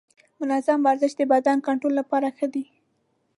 منظم ورزش د وزن کنټرول لپاره ښه دی.